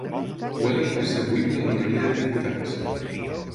Weller va ser whip de la minoria de diputats.